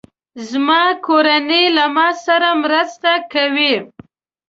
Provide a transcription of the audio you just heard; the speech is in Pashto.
زما کورنۍ له ما سره مرسته کوي.